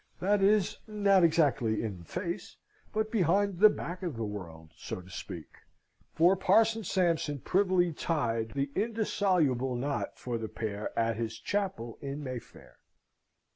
That is, not exactly in the face, but behind the back of the world, so to speak; for Parson Sampson privily tied the indissoluble knot for the pair at his chapel in Mayfair.